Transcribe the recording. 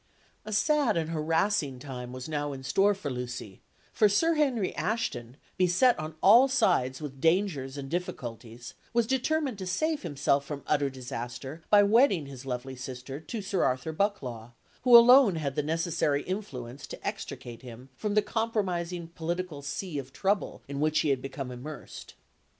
A sad and harassing time was now in store for Lucy; for Sir Henry Ashton, beset on all sides with dangers and difficulties, was determined to save himself from utter disaster by wedding his lovely sister to Sir Arthur Bucklaw, who alone had the necessary influence to extricate him from the compromising political sea of trouble in which he had become immersed.